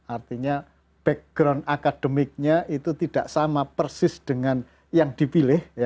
artinya background akademiknya itu tidak sama persis dengan yang dipilih